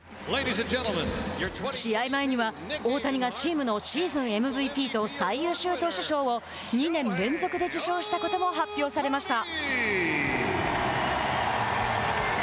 試合前には大谷がチームのシーズンＭＶＰと最優秀投手賞を２年連続で受賞したことも発表されました。